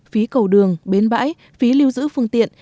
phí cầu đường bến bãi phí lưu giữ phương tiện